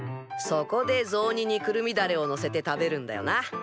そこでぞうににくるみだれをのせて食べるんだよな。